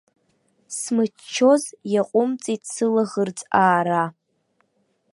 Смыччоз, иаҟәымҵит сылаӷырӡ аара.